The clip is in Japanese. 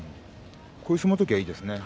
こういう相撲の時はいいですね。